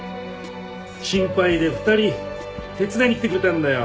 心配で２人手伝いに来てくれたんだよ。